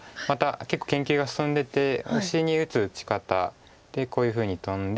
結構研究が進んでてオシに打つ打ち方でこういうふうにトンで。